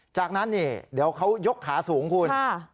จากนั้นนี่เดี๋ยวเขายกขาสูงคุณ